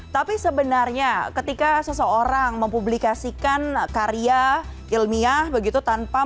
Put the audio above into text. tapi sebenarnya ketika seseorang mempublikasikan karya ilmiah begitu tanpa